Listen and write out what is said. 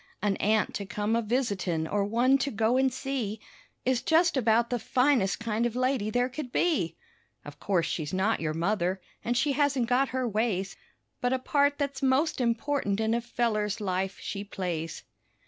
An aunt to come a visitin' or one to go and see Is just about the finest kind of lady there could be. Of course she's not your mother, an' she hasn't got her ways, But a part that's most important in a feller's life she plays.